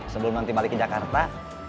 sebelum nanti balik ke jakarta